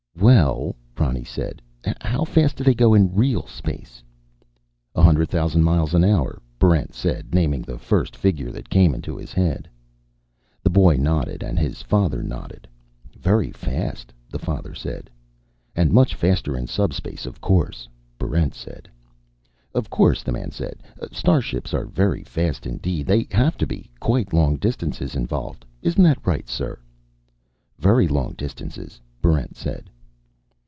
"Well," Ronny said, "how fast do they go in real space?" "A hundred thousand miles an hour," Barrent said, naming the first figure that came into his head. The boy nodded, and his father nodded. "Very fast," the father said. "And much faster in subspace of course," Barrent said. "Of course," the man said. "Starships are very fast indeed. They have to be. Quite long distances involved. Isn't that right, sir?" "Very long distances," Barrent said.